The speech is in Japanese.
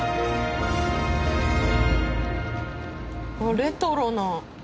レトロな。